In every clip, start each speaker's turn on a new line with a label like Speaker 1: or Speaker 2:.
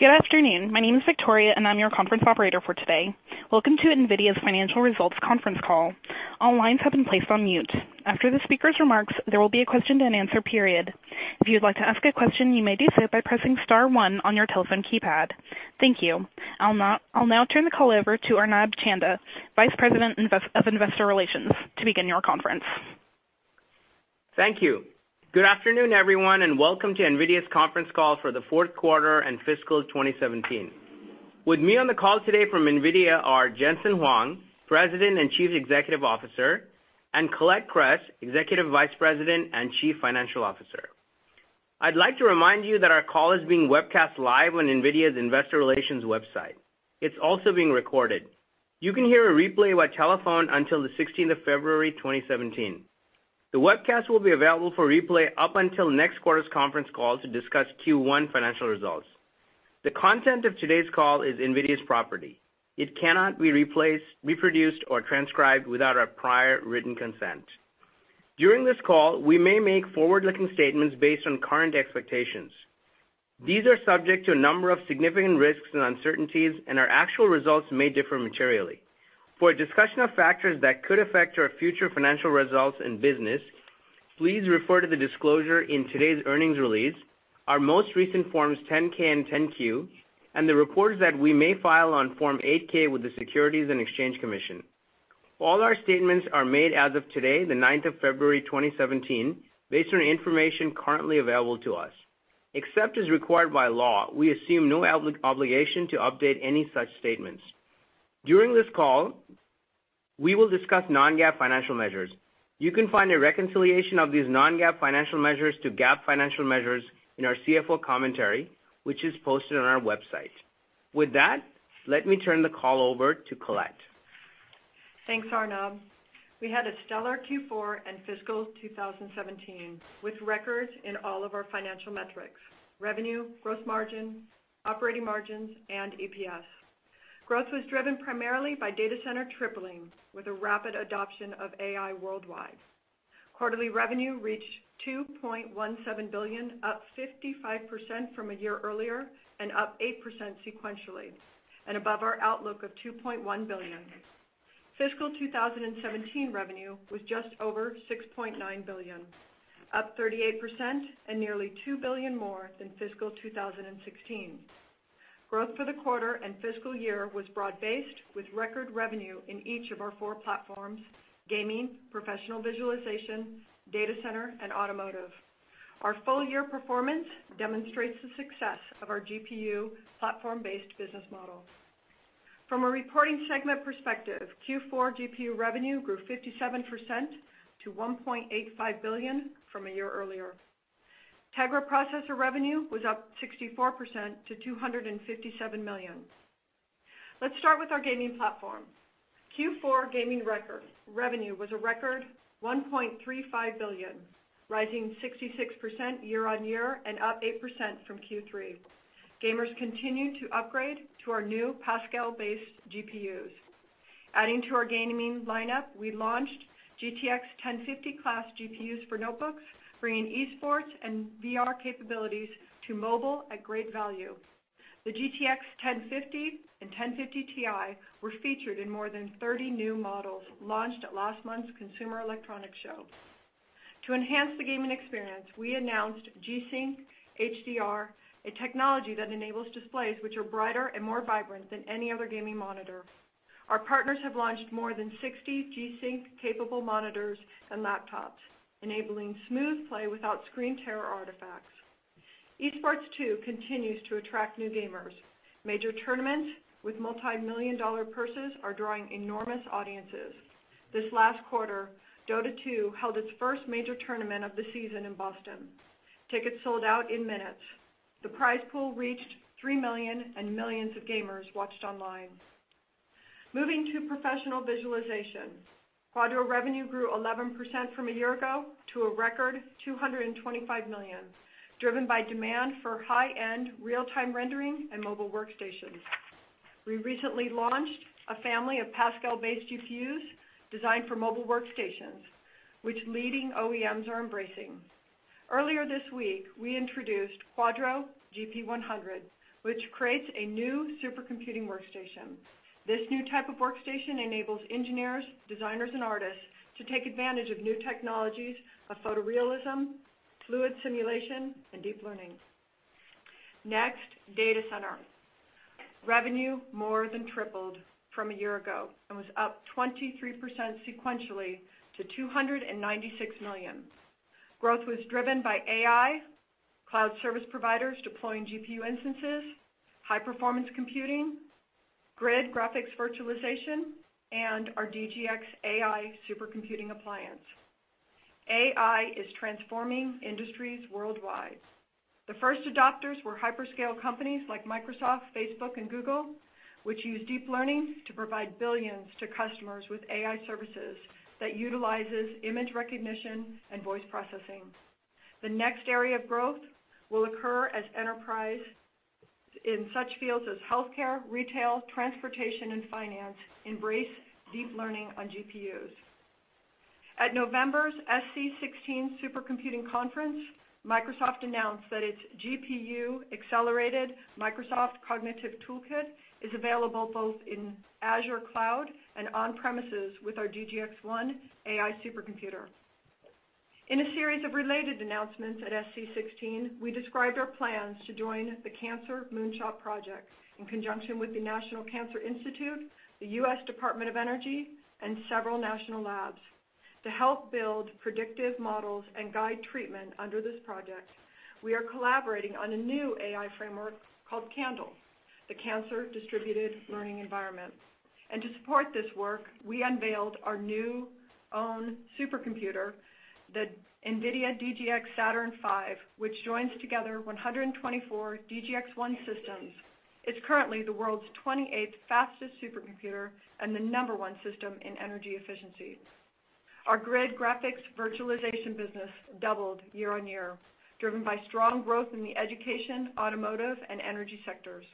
Speaker 1: Good afternoon. My name is Victoria, and I'm your conference operator for today. Welcome to NVIDIA's Financial Results Conference Call. All lines have been placed on mute. After the speakers' remarks, there will be a question and answer period. If you'd like to ask a question, you may do so by pressing star one on your telephone keypad. Thank you. I'll now turn the call over to Arnab Chanda, Vice President of Investor Relations, to begin your conference.
Speaker 2: Thank you. Good afternoon, everyone, and welcome to NVIDIA's conference call for the fourth quarter and fiscal 2017. With me on the call today from NVIDIA are Jensen Huang, President and Chief Executive Officer, and Colette Kress, Executive Vice President and Chief Financial Officer. I'd like to remind you that our call is being webcast live on NVIDIA's investor relations website. It's also being recorded. You can hear a replay by telephone until the 16th of February 2017. The webcast will be available for replay up until next quarter's conference call to discuss Q1 financial results. The content of today's call is NVIDIA's property. It cannot be reproduced or transcribed without our prior written consent. During this call, we may make forward-looking statements based on current expectations. These are subject to a number of significant risks and uncertainties. Our actual results may differ materially. For a discussion of factors that could affect our future financial results and business, please refer to the disclosure in today's earnings release, our most recent Forms 10-K and 10-Q, and the reports that we may file on Form 8-K with the Securities and Exchange Commission. All our statements are made as of today, the 9th of February 2017, based on information currently available to us. Except as required by law, we assume no obligation to update any such statements. During this call, we will discuss non-GAAP financial measures. You can find a reconciliation of these non-GAAP financial measures to GAAP financial measures in our CFO commentary, which is posted on our website. With that, let me turn the call over to Colette.
Speaker 3: Thanks, Arnab. We had a stellar Q4 and fiscal 2017 with records in all of our financial metrics, revenue, gross margin, operating margins, and EPS. Growth was driven primarily by Data Center tripling with a rapid adoption of AI worldwide. Quarterly revenue reached $2.17 billion, up 55% from a year earlier and up 8% sequentially. Above our outlook of $2.1 billion. Fiscal 2017 revenue was just over $6.9 billion, up 38% and nearly $2 billion more than fiscal 2016. Growth for the quarter and fiscal year was broad-based with record revenue in each of our four platforms, Gaming, Professional Visualization, Data Center, and Automotive. Our full-year performance demonstrates the success of our GPU platform-based business model. From a reporting segment perspective, Q4 GPU revenue grew 57% to $1.85 billion from a year earlier. Tegra processor revenue was up 64% to $257 million. Let's start with our Gaming platform. Q4 gaming revenue was a record $1.35 billion, rising 66% year-on-year and up 8% from Q3. Gamers continued to upgrade to our new Pascal-based GPUs. Adding to our gaming lineup, we launched GeForce GTX 1050 class GPUs for notebooks, bringing esports and VR capabilities to mobile at great value. The GeForce GTX 1050 and 1050 Ti were featured in more than 30 new models launched at last month's Consumer Electronics Show. To enhance the gaming experience, we announced G-SYNC HDR, a technology that enables displays which are brighter and more vibrant than any other gaming monitor. Our partners have launched more than 60 G-SYNC capable monitors and laptops, enabling smooth play without screen tear artifacts. Esports, too, continues to attract new gamers. Major tournaments with multimillion-dollar purses are drawing enormous audiences. This last quarter, Dota 2 held its first major tournament of the season in Boston. Tickets sold out in minutes. The prize pool reached $3 million and millions of gamers watched online. Moving to professional visualization. Quadro revenue grew 11% from a year ago to a record $225 million, driven by demand for high-end real-time rendering and mobile workstations. We recently launched a family of Pascal-based GPUs designed for mobile workstations, which leading OEMs are embracing. Earlier this week, we introduced Quadro GP100, which creates a new supercomputing workstation. This new type of workstation enables engineers, designers, and artists to take advantage of new technologies of photorealism, fluid simulation, and deep learning. Next, data center. Revenue more than tripled from a year ago and was up 23% sequentially to $296 million. Growth was driven by AI, cloud service providers deploying GPU instances, high-performance computing, GRID graphics virtualization, and our DGX AI supercomputing appliance. AI is transforming industries worldwide. The first adopters were hyperscale companies like Microsoft, Facebook, and Google, which use deep learning to provide billions to customers with AI services that utilizes image recognition and voice processing. The next area of growth will occur as enterprise in such fields as healthcare, retail, transportation, and finance embrace deep learning on GPUs. At November's SC16 Supercomputing conference, Microsoft announced that its GPU-accelerated Microsoft Cognitive Toolkit is available both in Azure Cloud and on-premises with our DGX-1 AI supercomputer. In a series of related announcements at SC16, we described our plans to join the Cancer Moonshot project in conjunction with the National Cancer Institute, the U.S. Department of Energy, and several national labs. To help build predictive models and guide treatment under this project, we are collaborating on a new AI framework called CANDLE, the Cancer Distributed Learning Environment. To support this work, we unveiled our new own supercomputer, the NVIDIA DGX SaturnV, which joins together 124 DGX-1 systems. It's currently the world's 28th fastest supercomputer and the number one system in energy efficiency. Our GRID graphics virtualization business doubled year-on-year, driven by strong growth in the education, automotive, and energy sectors.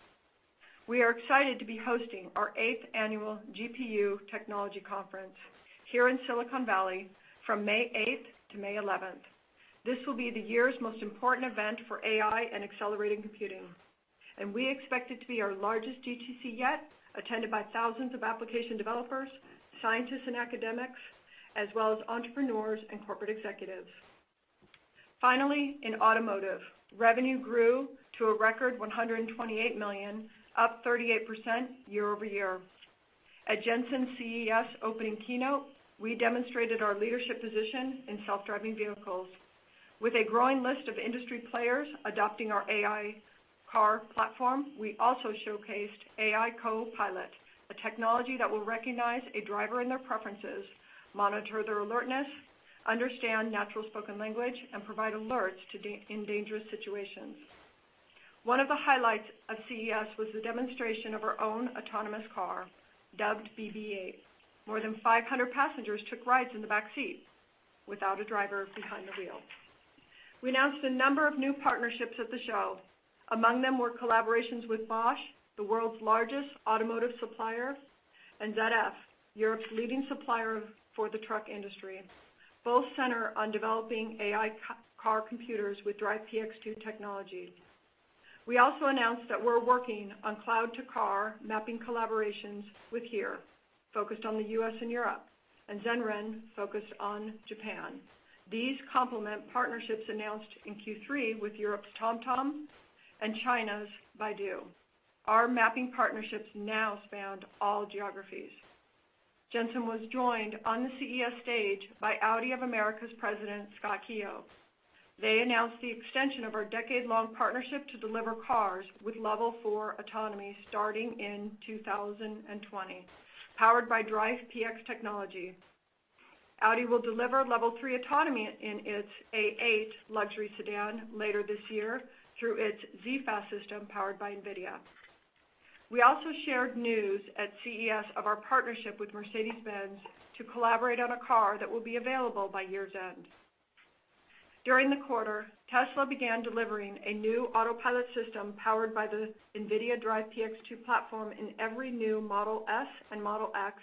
Speaker 3: We are excited to be hosting our eighth annual GPU Technology Conference here in Silicon Valley from May 8th to May 11th. This will be the year's most important event for AI and accelerated computing, we expect it to be our largest GTC yet, attended by thousands of application developers, scientists and academics, as well as entrepreneurs and corporate executives. Finally, in automotive, revenue grew to a record $128 million, up 38% year-over-year. At Jensen's CES opening keynote, we demonstrated our leadership position in self-driving vehicles. With a growing list of industry players adopting our AI car platform, we also showcased AI Co-Pilot, a technology that will recognize a driver and their preferences, monitor their alertness, understand natural spoken language, and provide alerts in dangerous situations. One of the highlights of CES was the demonstration of our own autonomous car, dubbed BB8. More than 500 passengers took rides in the back seat without a driver behind the wheel. We announced a number of new partnerships at the show. Among them were collaborations with Bosch, the world's largest automotive supplier, and ZF, Europe's leading supplier for the truck industry. Both center on developing AI car computers with DRIVE PX 2 technology. We also announced that we're working on cloud-to-car mapping collaborations with HERE, focused on the U.S. and Europe, and Zenrin focused on Japan. These complement partnerships announced in Q3 with Europe's TomTom and China's Baidu. Our mapping partnerships now span all geographies. Jensen was joined on the CES stage by Audi of America's president, Scott Keogh. They announced the extension of our decade-long partnership to deliver cars with Level 4 autonomy starting in 2020, powered by DRIVE PX technology. Audi will deliver Level 3 autonomy in its A8 luxury sedan later this year through its zFAS system powered by NVIDIA. We also shared news at CES of our partnership with Mercedes-Benz to collaborate on a car that will be available by year's end. During the quarter, Tesla began delivering a new Autopilot system powered by the NVIDIA DRIVE PX 2 platform in every new Model S and Model X,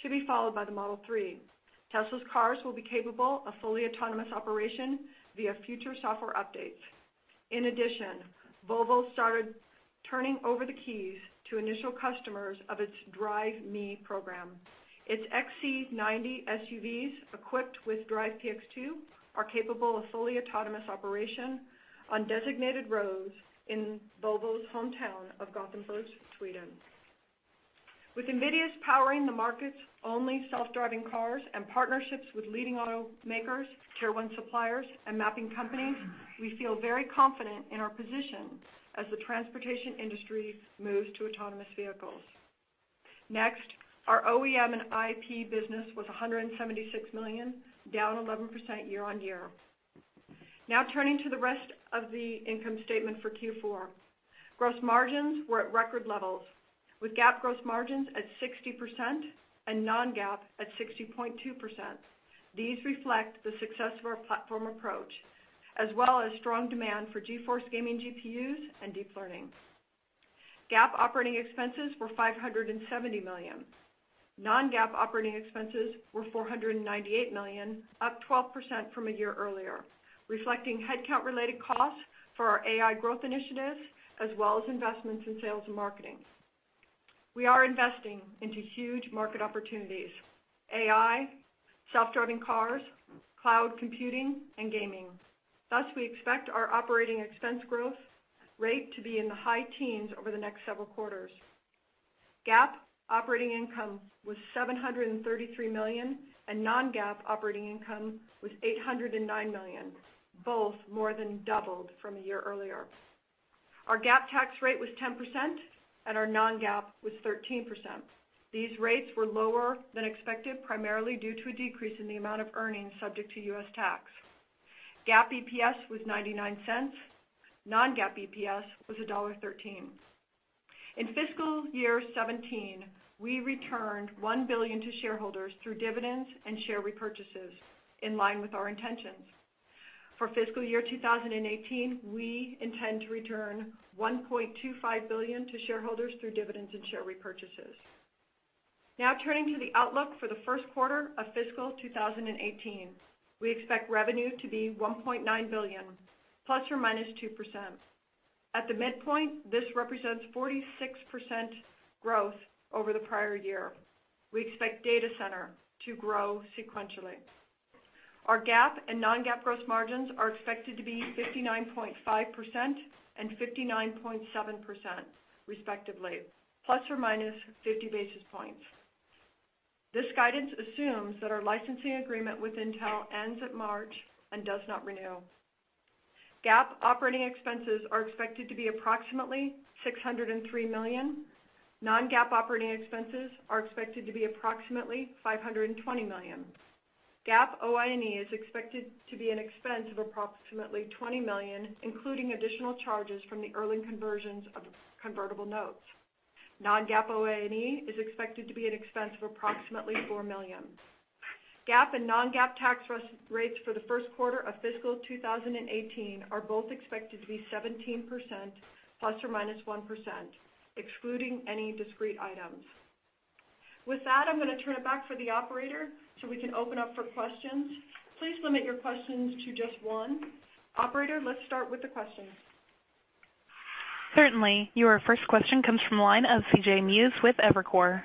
Speaker 3: to be followed by the Model 3. Tesla's cars will be capable of fully autonomous operation via future software updates. In addition, Volvo started turning over the keys to initial customers of its Drive Me program. Its XC90 SUVs equipped with DRIVE PX 2 are capable of fully autonomous operation on designated roads in Volvo's hometown of Gothenburg, Sweden. With NVIDIA's powering the market's only self-driving cars and partnerships with leading automakers, tier 1 suppliers, and mapping companies, we feel very confident in our position as the transportation industry moves to autonomous vehicles. Next, our OEM and IP business was $176 million, down 11% year-over-year. Turning to the rest of the income statement for Q4. Gross margins were at record levels, with GAAP gross margins at 60% and non-GAAP at 60.2%. These reflect the success of our platform approach, as well as strong demand for GeForce gaming GPUs and deep learning. GAAP operating expenses were $570 million. Non-GAAP operating expenses were $498 million, up 12% from a year earlier, reflecting headcount-related costs for our AI growth initiatives, as well as investments in sales and marketing. We are investing into huge market opportunities, AI, self-driving cars, cloud computing, and gaming. Thus, we expect our operating expense growth rate to be in the high teens over the next several quarters. GAAP operating income was $733 million, and non-GAAP operating income was $809 million, both more than doubled from a year earlier. Our GAAP tax rate was 10%, and our non-GAAP was 13%. These rates were lower than expected, primarily due to a decrease in the amount of earnings subject to U.S. tax. GAAP EPS was $0.99. Non-GAAP EPS was $1.13. In fiscal year 2017, we returned $1 billion to shareholders through dividends and share repurchases, in line with our intentions. For fiscal year 2018, we intend to return $1.25 billion to shareholders through dividends and share repurchases. Turning to the outlook for the first quarter of fiscal 2018. We expect revenue to be $1.9 billion ±2%. At the midpoint, this represents 46% growth over the prior year. We expect data center to grow sequentially. Our GAAP and non-GAAP gross margins are expected to be 59.5% and 59.7% respectively, ±50 basis points. This guidance assumes that our licensing agreement with Intel ends at March and does not renew. GAAP operating expenses are expected to be approximately $603 million. Non-GAAP operating expenses are expected to be approximately $520 million. GAAP OI&E is expected to be an expense of approximately $20 million, including additional charges from the early conversions of convertible notes. Non-GAAP OI&E is expected to be an expense of approximately $4 million. GAAP and non-GAAP tax rates for the first quarter of fiscal 2018 are both expected to be 17% ±1%, excluding any discrete items. With that, I'm going to turn it back for the operator so we can open up for questions. Please limit your questions to just one. Operator, let's start with the questions.
Speaker 1: Certainly. Your first question comes from the line of C.J. Muse with Evercore.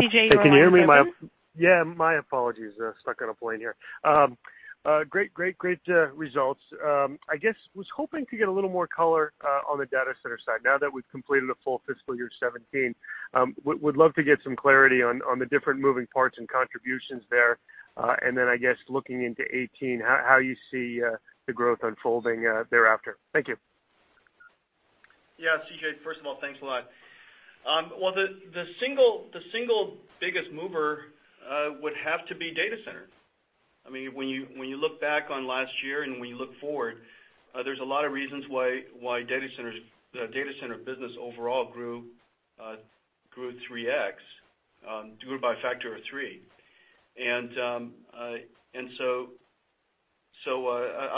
Speaker 1: C.J., you're on the-
Speaker 4: Can you hear me? My apologies. Stuck on a plane here. Great results. I was hoping to get a little more color on the data center side now that we've completed the full fiscal year 2017. Would love to get some clarity on the different moving parts and contributions there. Looking into 2018, how you see the growth unfolding thereafter. Thank you.
Speaker 5: CJ. Thanks a lot. The single biggest mover would have to be data center. When you look back on last year and when you look forward, there's a lot of reasons why data center business overall grew 3x, doubled by a factor of 3. I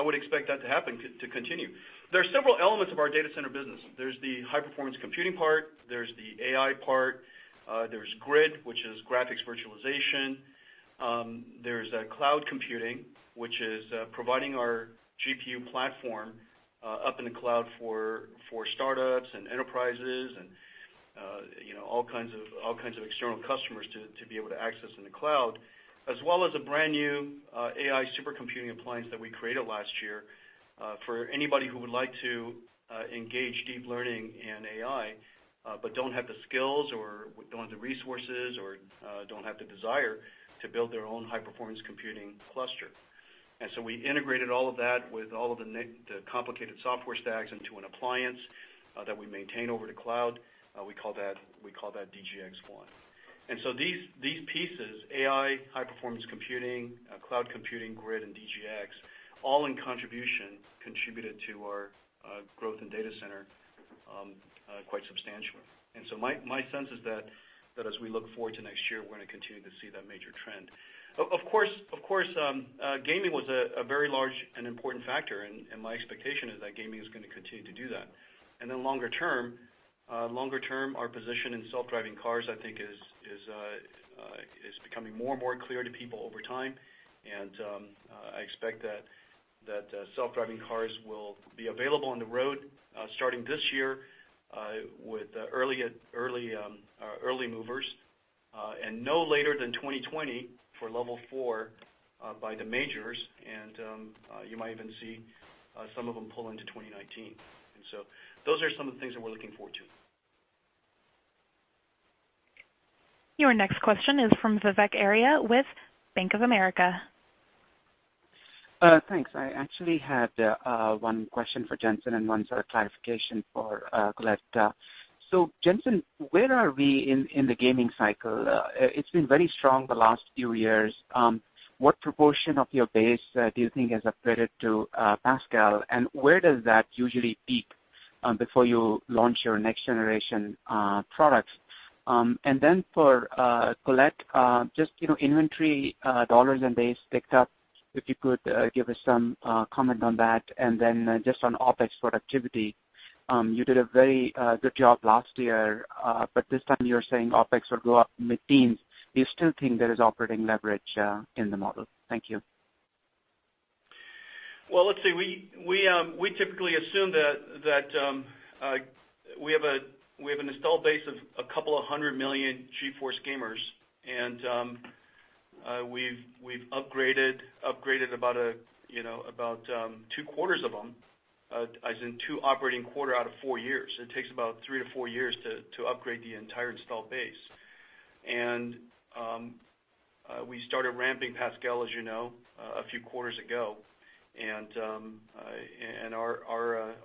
Speaker 5: would expect that to continue. There are several elements of our data center business. There's the high-performance computing part, there's the AI part, there's GRID, which is graphics virtualization. There's cloud computing, which is providing our GPU platform up in the cloud for startups and enterprises and all kinds of external customers to be able to access in the cloud, as well as a brand-new AI supercomputing appliance that we created last year for anybody who would like to engage deep learning and AI but don't have the skills or don't have the resources or don't have the desire to build their own high-performance computing cluster. We integrated all of that with all of the complicated software stacks into an appliance that we maintain over the cloud. We call that DGX-1. These pieces, AI, high-performance computing, cloud computing, GRID, and DGX, all in contribution, contributed to our growth in data center quite substantially. My sense is that as we look forward to next year, we're going to continue to see that major trend. Of course, gaming was a very large and important factor, my expectation is that gaming is going to continue to do that. Longer term, our position in self-driving cars, I think is becoming more and more clear to people over time. I expect that self-driving cars will be available on the road starting this year with early movers and no later than 2020 for level 4 by the majors. You might even see some of them pull into 2019. Those are some of the things that we're looking forward to.
Speaker 1: Your next question is from Vivek Arya with Bank of America.
Speaker 6: Thanks. I actually had one question for Jensen and one sort of clarification for Colette. Jensen, where are we in the gaming cycle? It's been very strong the last few years. What proportion of your base do you think has upgraded to Pascal, and where does that usually peak before you launch your next-generation products? For Colette, just inventory dollars and days picked up, if you could give us some comment on that, then just on OpEx productivity. You did a very good job last year, this time you're saying OpEx will go up mid-teens. Do you still think there is operating leverage in the model? Thank you.
Speaker 5: Well, let's see. We typically assume that we have an installed base of a couple of hundred million GeForce gamers, we've upgraded about two quarters of them, as in two operating quarter out of four years. It takes about three to four years to upgrade the entire installed base. We started ramping Pascal, as you know, a few quarters ago.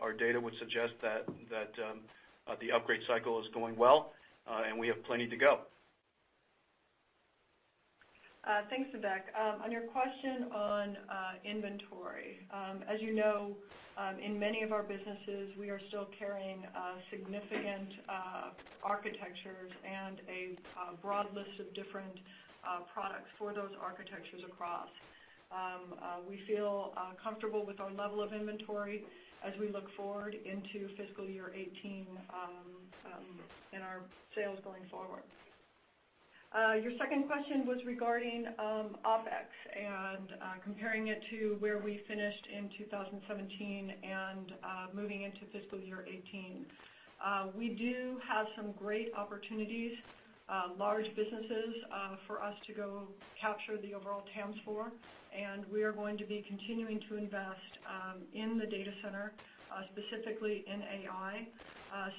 Speaker 5: Our data would suggest that the upgrade cycle is going well, we have plenty to go. Thanks, Vivek. On your question on inventory, as you know, in many of our businesses we are still carrying significant architectures and a broad list of different products for those architectures across. We feel comfortable with our level of inventory as we look forward into fiscal year 2018 and our sales going forward.
Speaker 3: Your second question was regarding OpEx, comparing it to where we finished in 2017 and moving into fiscal year 2018. We do have some great opportunities, large businesses for us to go capture the overall TAMs for, we are going to be continuing to invest in the data center, specifically in AI,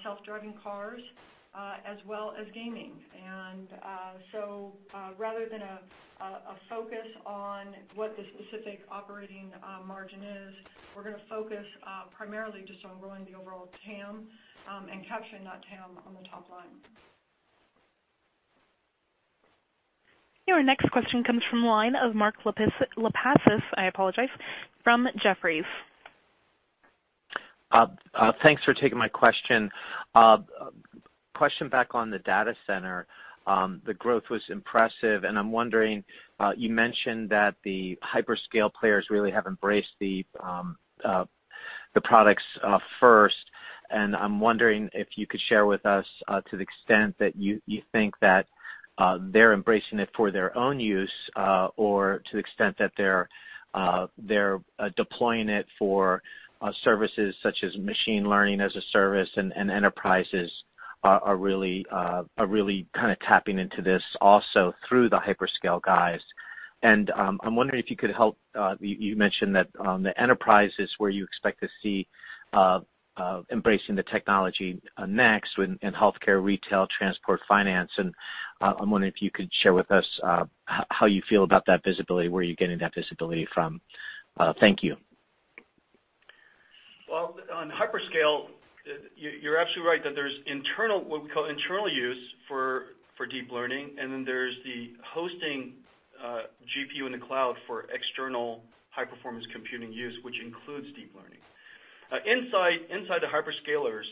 Speaker 3: self-driving cars, as well as gaming. Rather than a focus on what the specific operating margin is, we're going to focus primarily just on growing the overall TAM and capturing that TAM on the top line.
Speaker 1: Your next question comes from the line of Mark Lipacis from Jefferies.
Speaker 7: Thanks for taking my question. Question back on the data center. The growth was impressive. I'm wondering, you mentioned that the hyperscale players really have embraced the products first. I'm wondering if you could share with us to the extent that you think that they're embracing it for their own use, or to the extent that they're deploying it for services such as machine learning as a service, and enterprises are really kind of tapping into this also through the hyperscale guys. I'm wondering if you could help, you mentioned that the enterprise is where you expect to see embracing the technology next in healthcare, retail, transport, finance. I'm wondering if you could share with us how you feel about that visibility, where you're getting that visibility from. Thank you.
Speaker 5: Well, on hyperscale, you're absolutely right that there's what we call internal use for deep learning, and then there's the hosting GPU in the cloud for external high-performance computing use, which includes deep learning. Inside the hyperscalers,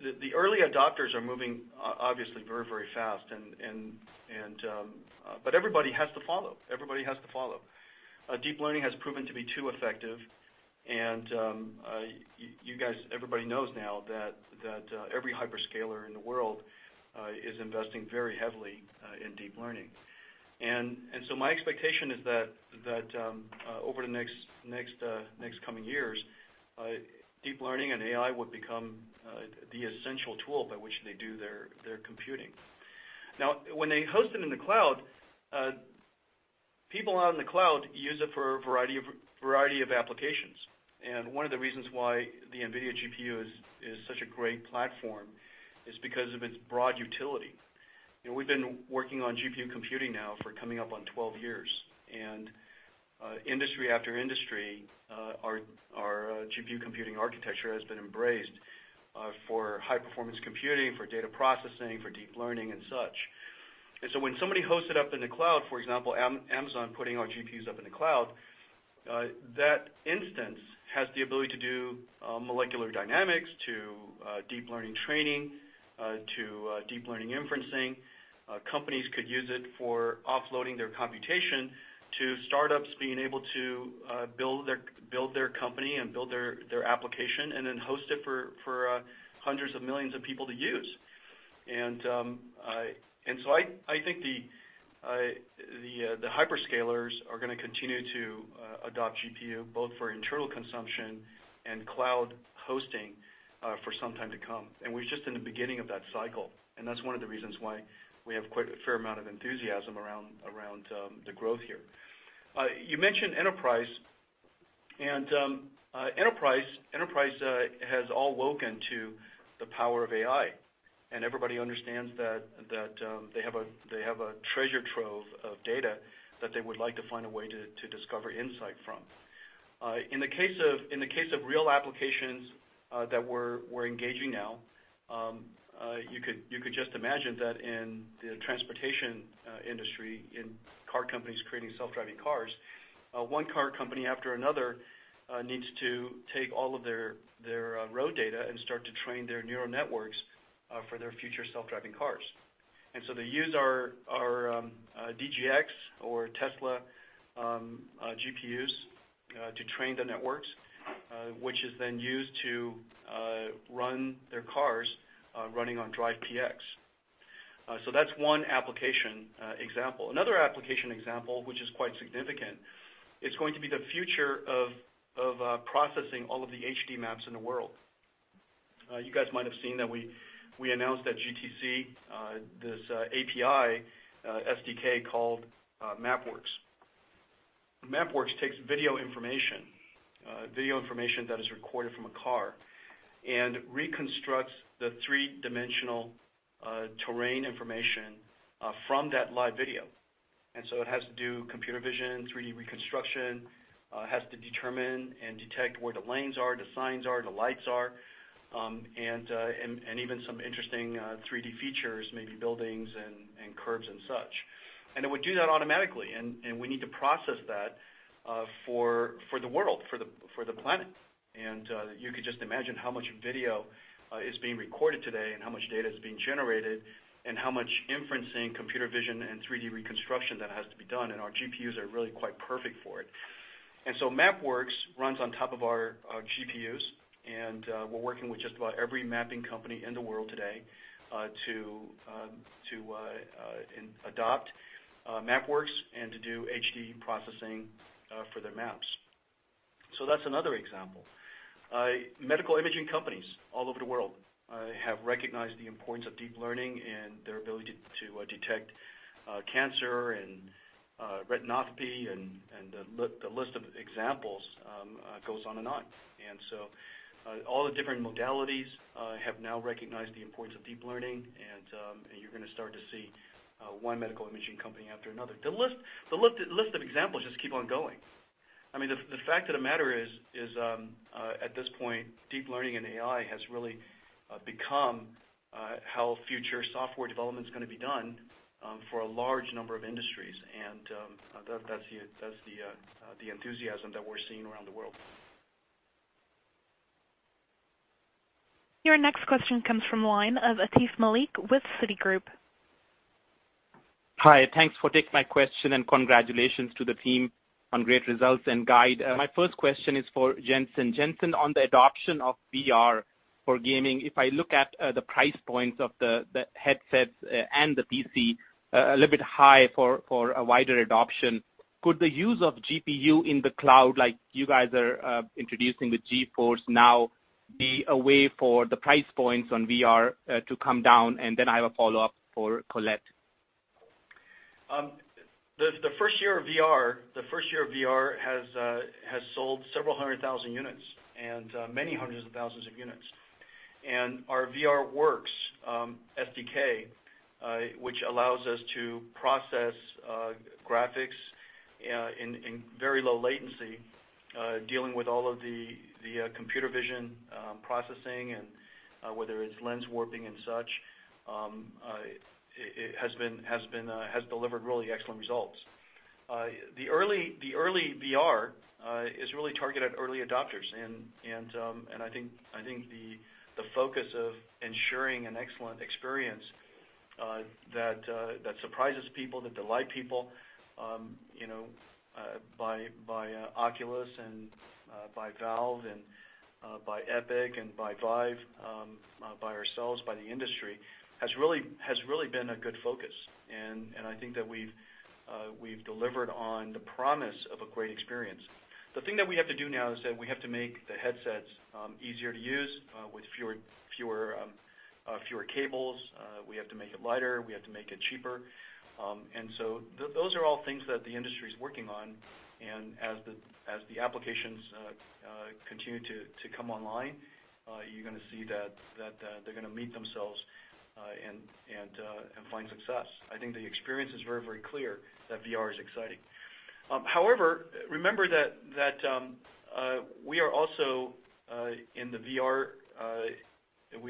Speaker 5: the early adopters are moving obviously very fast, but everybody has to follow. Deep learning has proven to be too effective, and everybody knows now that every hyperscaler in the world is investing very heavily in deep learning. My expectation is that over the next coming years, deep learning and AI will become the essential tool by which they do their computing. Now, when they host it in the cloud, people out in the cloud use it for a variety of applications. One of the reasons why the NVIDIA GPU is such a great platform is because of its broad utility. We've been working on GPU computing now for coming up on 12 years. Industry after industry, our GPU computing architecture has been embraced for high-performance computing, for data processing, for deep learning and such. When somebody hosts it up in the cloud, for example, Amazon putting our GPUs up in the cloud, that instance has the ability to do molecular dynamics, to deep learning training, to deep learning inferencing. Companies could use it for offloading their computation to startups being able to build their company and build their application, and then host it for hundreds of millions of people to use. I think the hyperscalers are going to continue to adopt GPU, both for internal consumption and cloud hosting for some time to come. We're just in the beginning of that cycle, and that's one of the reasons why we have quite a fair amount of enthusiasm around the growth here. You mentioned enterprise. Enterprise has awoken to the power of AI. Everybody understands that they have a treasure trove of data that they would like to find a way to discover insight from. In the case of real applications that we're engaging now, you could just imagine that in the transportation industry, in car companies creating self-driving cars, one car company after another needs to take all of their road data and start to train their neural networks for their future self-driving cars. They use our DGX or Tesla GPUs to train the networks, which is then used to run their cars running on Drive PX. That's one application example. Another application example, which is quite significant, it's going to be the future of processing all of the HD maps in the world. You guys might have seen that we announced at GTC this API SDK called DriveWorks. DriveWorks takes video information that is recorded from a car, and reconstructs the three-dimensional terrain information from that live video. It has to do computer vision, 3D reconstruction, has to determine and detect where the lanes are, the signs are, the lights are, and even some interesting 3D features, maybe buildings and curves and such. It would do that automatically, and we need to process that for the world, for the planet. You could just imagine how much video is being recorded today, and how much data is being generated, and how much inferencing computer vision and 3D reconstruction that has to be done, and our GPUs are really quite perfect for it. DriveWorks runs on top of our GPUs, and we're working with just about every mapping company in the world today to adopt DriveWorks and to do HD processing for their maps. That's another example. Medical imaging companies all over the world have recognized the importance of deep learning and their ability to detect cancer and retinopathy, and the list of examples goes on and on. All the different modalities have now recognized the importance of deep learning, and you're going to start to see one medical imaging company after another. The list of examples just keep on going. The fact of the matter is, at this point, deep learning and AI has really become how future software development's going to be done for a large number of industries. That's the enthusiasm that we're seeing around the world.
Speaker 1: Your next question comes from the line of Atif Malik with Citigroup.
Speaker 8: Hi, thanks for taking my question, and congratulations to the team on great results and guide. My first question is for Jensen. Jensen, on the adoption of VR for gaming, if I look at the price points of the headsets and the PC, a little bit high for a wider adoption. Could the use of GPU in the cloud, like you guys are introducing with GeForce NOW, be a way for the price points on VR to come down? I have a follow-up for Colette.
Speaker 5: The first year of VR has sold several hundred thousand units, many hundreds and thousands of units. Our VRWorks SDK which allows us to process graphics in very low latency, dealing with all of the computer vision processing and whether it's lens warping and such, has delivered really excellent results. The early VR is really targeted at early adopters, I think the focus of ensuring an excellent experience that surprises people, that delight people by Oculus and by Valve and by Epic and by VIVE, by ourselves, by the industry, has really been a good focus. I think that we've delivered on the promise of a great experience. The thing that we have to do now is that we have to make the headsets easier to use with fewer cables. We have to make it lighter. We have to make it cheaper. Those are all things that the industry's working on, and as the applications continue to come online, you're going to see that they're going to meet themselves and find success. I think the experience is very clear that VR is exciting. However, remember that we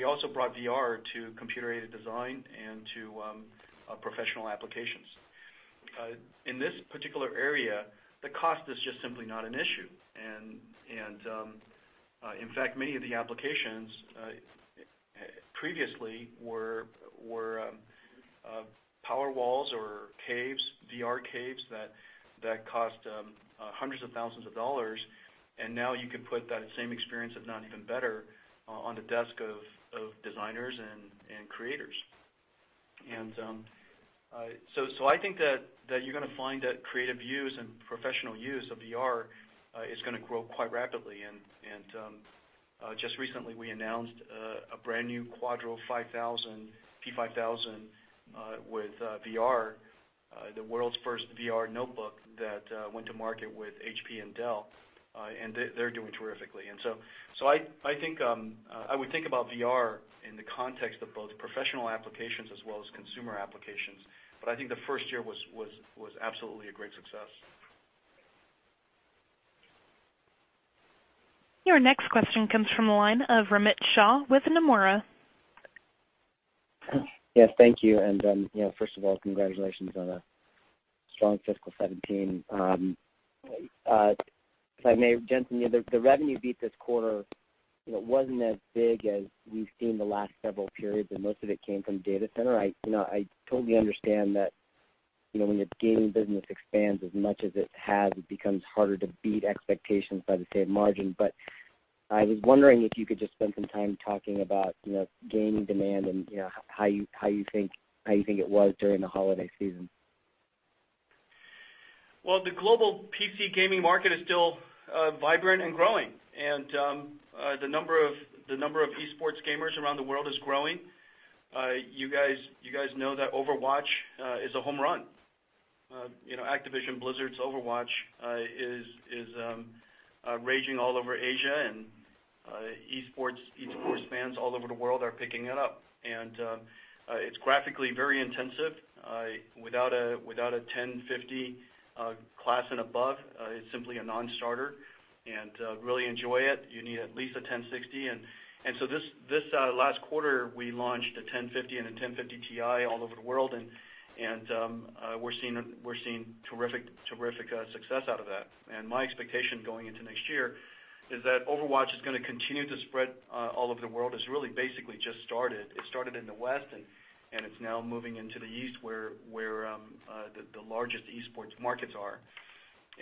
Speaker 5: also brought VR to computer-aided design and to professional applications. In this particular area, the cost is just simply not an issue. Many of the applications previously were power walls or VR caves that cost hundreds of thousands of dollars, and now you can put that same experience, if not even better, on the desk of designers and creators. I think that you're going to find that creative use and professional use of VR is going to grow quite rapidly. Just recently, we announced a brand new Quadro P5000 with VR, the world's first VR notebook that went to market with HP and Dell, and they're doing terrifically. I would think about VR in the context of both professional applications as well as consumer applications. I think the first year was absolutely a great success.
Speaker 1: Your next question comes from the line of Romit Shah with Nomura.
Speaker 9: Yes, thank you. First of all, congratulations on a strong fiscal 2017. If I may, Jensen, the revenue beat this quarter wasn't as big as we've seen the last several periods, and most of it came from data center. I totally understand that when your gaming business expands as much as it has, it becomes harder to beat expectations by the same margin. I was wondering if you could just spend some time talking about gaming demand and how you think it was during the holiday season.
Speaker 5: Well, the global PC gaming market is still vibrant and growing. The number of esports gamers around the world is growing. You guys know that Overwatch is a home run. Activision Blizzard's Overwatch is raging all over Asia and esports fans all over the world are picking it up. It's graphically very intensive. Without a 1050 class and above, it's simply a non-starter. To really enjoy it, you need at least a 1060. This last quarter, we launched a 1050 and a 1050 Ti all over the world, and we're seeing terrific success out of that. My expectation going into next year is that Overwatch is going to continue to spread all over the world. It's really basically just started. It started in the West, and it's now moving into the East, where the largest esports markets are.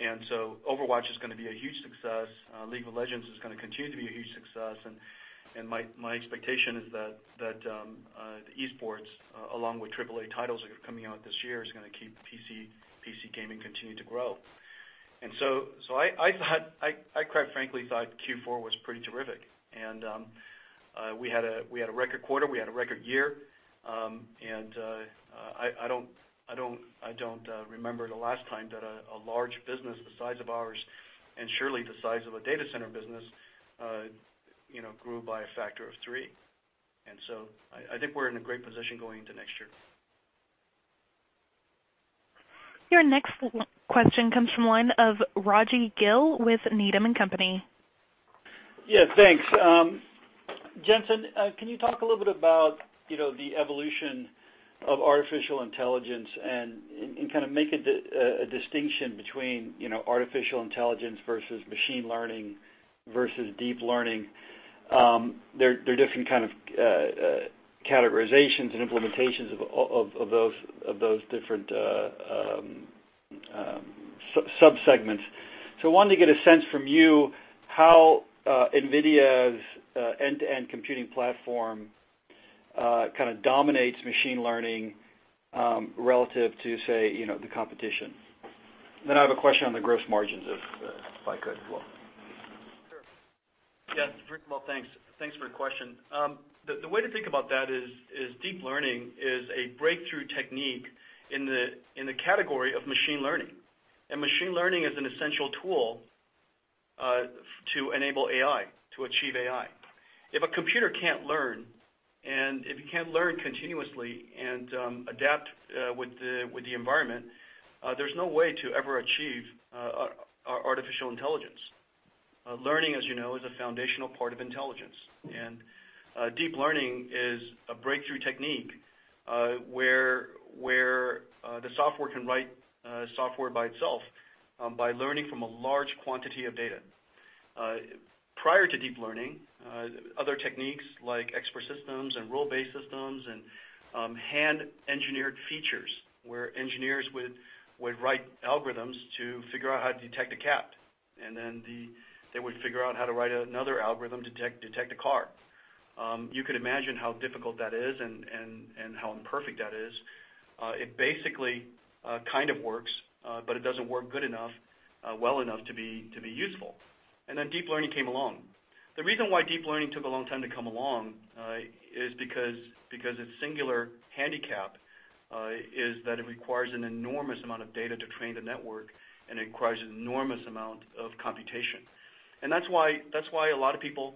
Speaker 5: Overwatch is going to be a huge success. League of Legends is going to continue to be a huge success. My expectation is that esports, along with AAA titles that are coming out this year, is going to keep PC gaming continuing to grow. I quite frankly thought Q4 was pretty terrific. We had a record quarter, we had a record year. I don't remember the last time that a large business the size of ours, and surely the size of a data center business grew by a factor of three. I think we're in a great position going into next year.
Speaker 1: Your next question comes from the line of Rajee Gil with Needham & Company.
Speaker 10: Yeah, thanks. Jensen, can you talk a little bit about the evolution of artificial intelligence and make a distinction between artificial intelligence versus machine learning versus deep learning? They are different kind of categorizations and implementations of those different sub-segments. I wanted to get a sense from you how NVIDIA's end-to-end computing platform kind of dominates machine learning relative to, say, the competition. Then I have a question on the gross margins, if I could as well.
Speaker 5: Sure. Yeah. Well, thanks for your question. The way to think about that is deep learning is a breakthrough technique in the category of machine learning, and machine learning is an essential tool to enable AI, to achieve AI. If a computer cannot learn, and if it cannot learn continuously and adapt with the environment, there is no way to ever achieve artificial intelligence. Learning, as you know, is a foundational part of intelligence. Deep learning is a breakthrough technique where the software can write software by itself by learning from a large quantity of data. Prior to deep learning, other techniques like expert systems and rule-based systems and hand-engineered features, where engineers would write algorithms to figure out how to detect a cat, and then they would figure out how to write another algorithm to detect a car. You could imagine how difficult that is and how imperfect that is. It basically kind of works, but it does not work good enough, well enough to be useful. Deep learning came along. The reason why deep learning took a long time to come along is because its singular handicap is that it requires an enormous amount of data to train the network, and it requires an enormous amount of computation. That is why a lot of people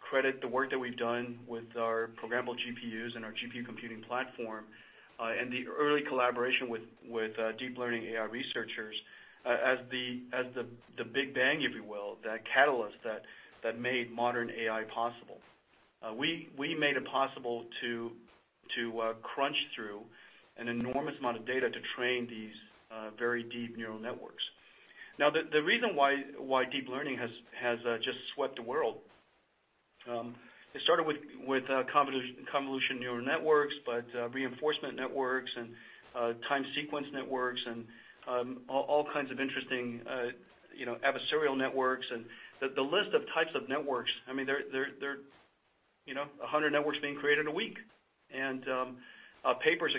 Speaker 5: credit the work that we have done with our programmable GPUs and our GPU computing platform, and the early collaboration with deep learning AI researchers as the Big Bang, if you will, that catalyst that made modern AI possible. We made it possible to crunch through an enormous amount of data to train these very deep neural networks. The reason why deep learning has just swept the world, it started with convolutional neural networks, reinforcement networks and time sequence networks, all kinds of interesting adversarial networks. The list of types of networks, there are 100 networks being created a week, papers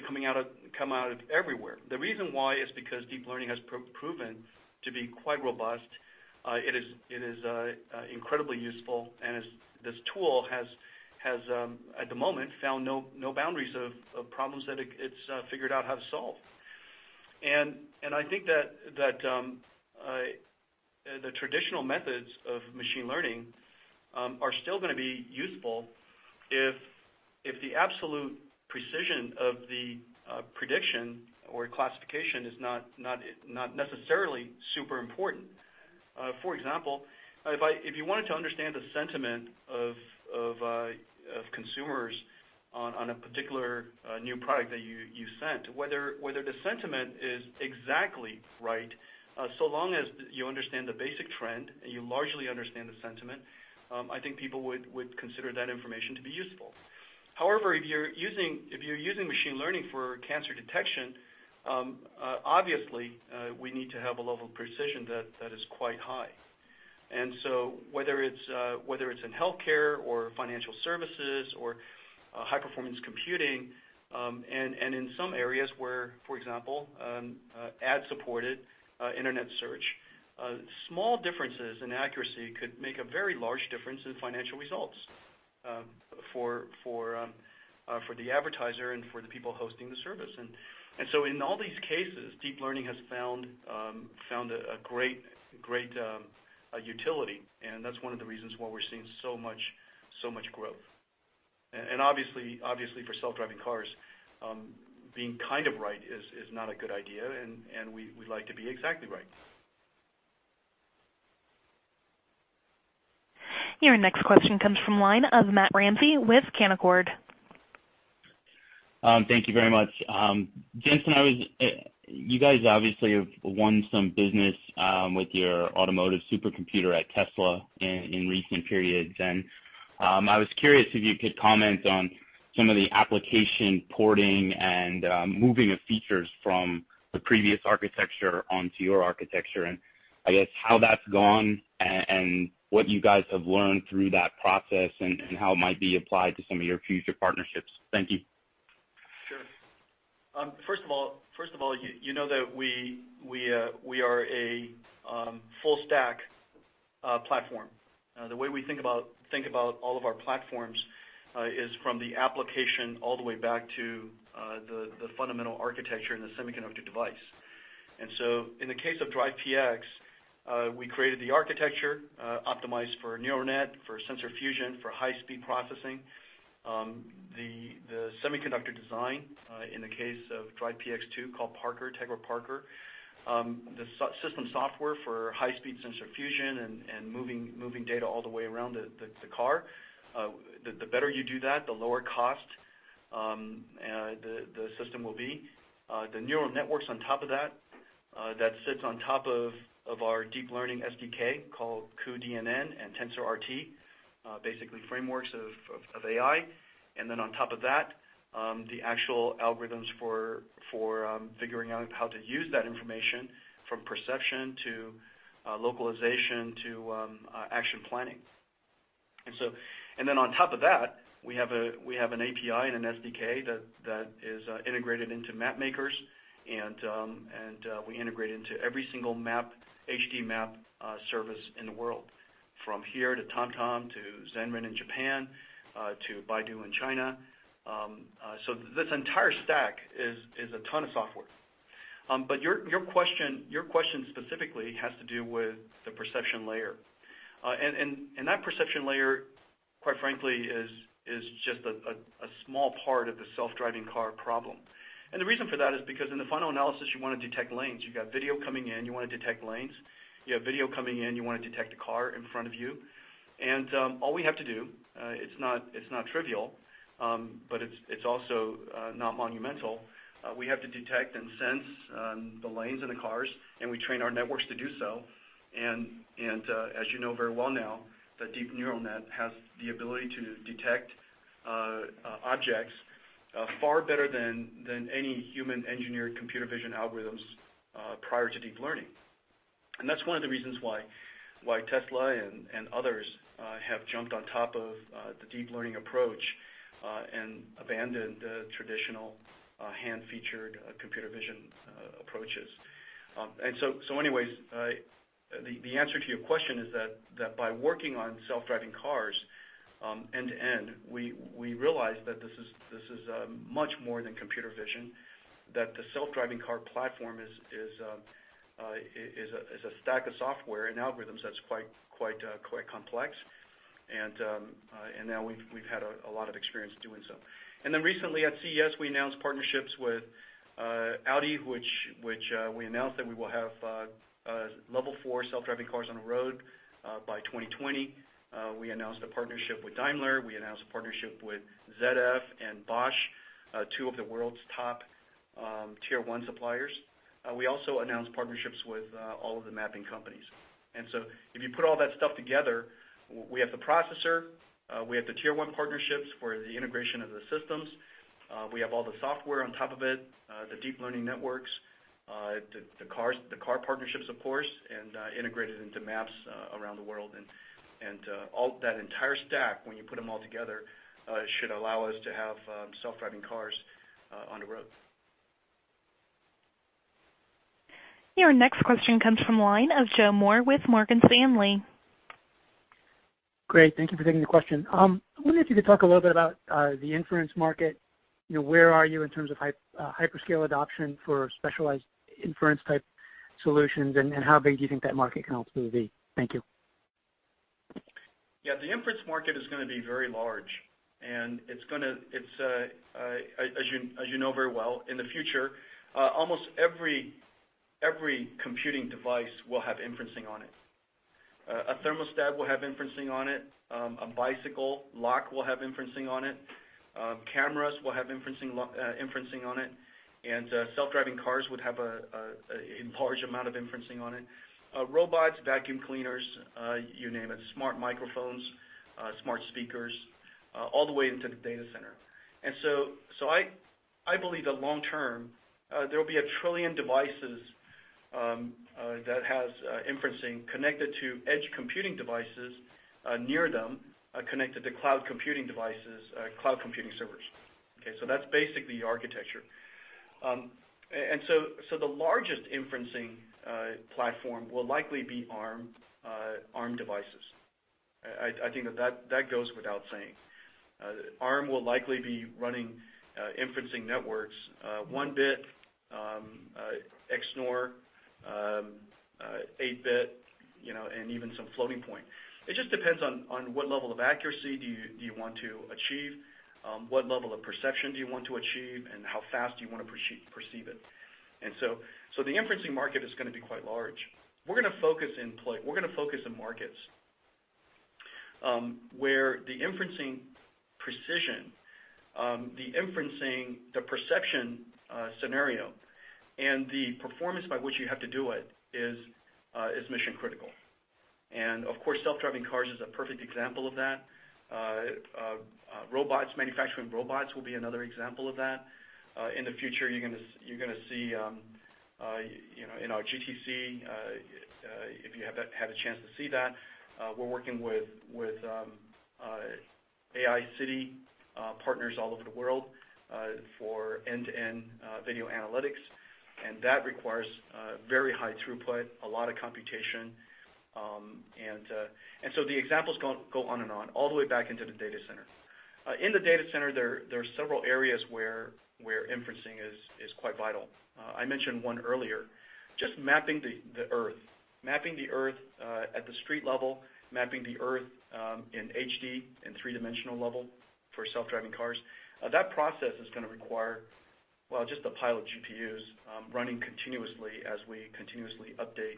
Speaker 5: come out of everywhere. The reason why is because deep learning has proven to be quite robust. It is incredibly useful, this tool has, at the moment, found no boundaries of problems that it's figured out how to solve. I think that the traditional methods of machine learning are still going to be useful if the absolute precision of the prediction or classification is not necessarily super important. For example, if you wanted to understand the sentiment of consumers on a particular new product that you sent, whether the sentiment is exactly right, so long as you understand the basic trend and you largely understand the sentiment, I think people would consider that information to be useful. However, if you're using machine learning for cancer detection, obviously we need to have a level of precision that is quite high. Whether it's in healthcare or financial services or high-performance computing, in some areas where, for example, ad-supported internet search, small differences in accuracy could make a very large difference in financial results. For the advertiser and for the people hosting the service. In all these cases, deep learning has found a great utility, that's one of the reasons why we're seeing so much growth. Obviously, for self-driving cars, being kind of right is not a good idea, we like to be exactly right.
Speaker 1: Your next question comes from the line of Matt Ramsay with Canaccord.
Speaker 11: Thank you very much. Jensen, you guys obviously have won some business with your automotive supercomputer at Tesla in recent periods. I was curious if you could comment on some of the application porting and moving of features from the previous architecture onto your architecture and I guess how that's gone and what you guys have learned through that process and how it might be applied to some of your future partnerships. Thank you.
Speaker 5: Sure. First of all, you know that we are a full stack platform. The way we think about all of our platforms is from the application all the way back to the fundamental architecture and the semiconductor device. In the case of DRIVE PX, we created the architecture optimized for neural net, for sensor fusion, for high-speed processing. The semiconductor design, in the case of DRIVE PX 2, called Parker, Tegra Parker. The system software for high-speed sensor fusion and moving data all the way around the car. The better you do that, the lower cost the system will be. The neural networks on top of that sits on top of our deep learning SDK called cuDNN and TensorRT, basically frameworks of AI. On top of that, the actual algorithms for figuring out how to use that information, from perception to localization to action planning. On top of that, we have an API and an SDK that is integrated into map makers. We integrate into every single HD map service in the world, from here to TomTom, to Zenrin in Japan, to Baidu in China. This entire stack is a ton of software. Your question specifically has to do with the perception layer. That perception layer, quite frankly, is just a small part of the self-driving car problem. The reason for that is because in the final analysis, you want to detect lanes. You've got video coming in, you want to detect lanes. You have video coming in, you want to detect a car in front of you. All we have to do, it's not trivial, but it's also not monumental. We have to detect and sense the lanes and the cars. We train our networks to do so. As you know very well now, the deep neural net has the ability to detect objects far better than any human-engineered computer vision algorithms prior to deep learning. That's one of the reasons why Tesla and others have jumped on top of the deep learning approach and abandoned traditional hand-featured computer vision approaches. Anyways, the answer to your question is that by working on self-driving cars end-to-end, we realized that this is much more than computer vision, that the self-driving car platform is a stack of software and algorithms that's quite complex, and now we've had a lot of experience doing so. Recently at CES, we announced partnerships with Audi, which we announced that we will have level 4 self-driving cars on the road by 2020. We announced a partnership with Daimler. We announced a partnership with ZF and Bosch, two of the world's top tier 1 suppliers. We also announced partnerships with all of the mapping companies. If you put all that stuff together, we have the processor, we have the tier 1 partnerships for the integration of the systems, we have all the software on top of it, the deep learning networks, the car partnerships of course, and integrated into maps around the world. All that entire stack, when you put them all together, should allow us to have self-driving cars on the road.
Speaker 1: Your next question comes from the line of Joe Moore with Morgan Stanley.
Speaker 12: Great. Thank you for taking the question. I wonder if you could talk a little bit about the inference market. Where are you in terms of hyperscale adoption for specialized inference type solutions, and how big do you think that market can ultimately be? Thank you.
Speaker 5: The inference market is going to be very large. As you know very well, in the future almost every computing device will have inferencing on it. A thermostat will have inferencing on it. A bicycle lock will have inferencing on it. Cameras will have inferencing on it, and self-driving cars would have a large amount of inferencing on it. Robots, vacuum cleaners, you name it. Smart microphones, smart speakers, all the way into the data center. I believe that long term, there will be 1 trillion devices that has inferencing connected to edge computing devices near them, connected to cloud computing devices, cloud computing servers. Okay, so that's basically the architecture. The largest inferencing platform will likely be Arm devices. I think that goes without saying. Arm will likely be running inferencing networks, 1-bit, XNOR, 8-bit, and even some floating point. It just depends on what level of accuracy do you want to achieve, what level of perception do you want to achieve, and how fast do you want to perceive it. So the inferencing market is going to be quite large. We're going to focus in markets where the inferencing precision, the inferencing, the perception scenario, and the performance by which you have to do it is mission critical. Of course, self-driving cars is a perfect example of that. Manufacturing robots will be another example of that. In the future, you're going to see in our GTC, if you have had a chance to see that, we're working with AI city partners all over the world for end-to-end video analytics, and that requires very high throughput, a lot of computation. So the examples go on and on, all the way back into the data center. In the data center, there are several areas where inferencing is quite vital. I mentioned one earlier. Just mapping the Earth. Mapping the Earth at the street level, mapping the Earth in HD, in three-dimensional level for self-driving cars. That process is going to require, well, just a pile of GPUs running continuously as we continuously update